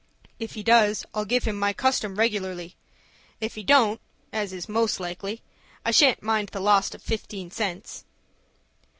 "If he does, I'll give him my custom regularly. If he don't as is most likely, I shan't mind the loss of fifteen cents."